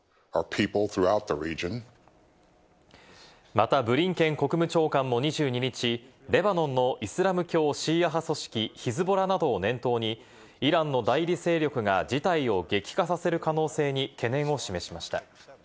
またブリンケン国務長官も２２日、レバノンのイスラム教シーア派組織・ヒズボラなどを念頭に、イランの代理勢力が事態を激化させる可能性に懸念を示しました。